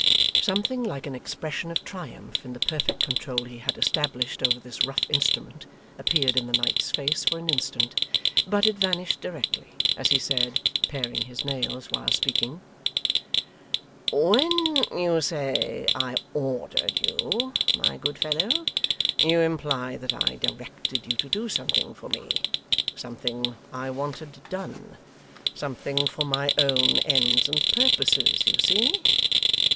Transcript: Something like an expression of triumph in the perfect control he had established over this rough instrument appeared in the knight's face for an instant; but it vanished directly, as he said paring his nails while speaking: 'When you say I ordered you, my good fellow, you imply that I directed you to do something for me something I wanted done something for my own ends and purposes you see?